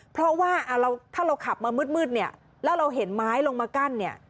เพราะว่าถ้าเราขับมามืดเนี่ยแล้วเราเห็นไม้ลงมากั้นเนี่ย